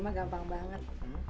ini mah gampang banget